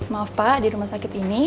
maaf pak di rumah sakit ini